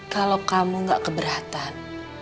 kalau kamu gak keberatan